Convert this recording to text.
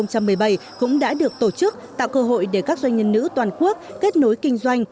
năm hai nghìn một mươi bảy cũng đã được tổ chức tạo cơ hội để các doanh nhân nữ toàn quốc kết nối kinh doanh